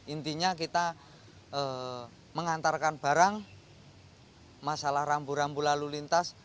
intinya kita mengantarkan barang masalah rambu rambu lalu lintas